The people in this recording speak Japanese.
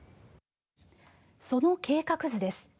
その計画図です。